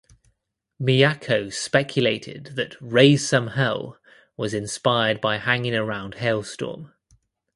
Miyako speculated that "Raise Some Hell" was inspired by hanging around Halestorm.